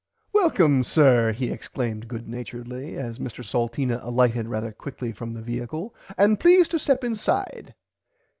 Welcome sir he exclaimed good naturedly as Mr Salteena alighted rarther quickly from the viacle and please to step inside.